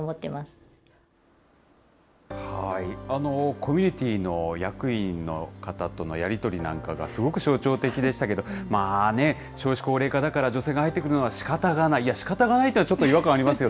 コミュニティーの役員の方とのやり取りなんかがすごく象徴的でしたけど、少子高齢化だから女性が入ってくるのはしかたがない、いや、しかたがないというのは違和感ありますよ。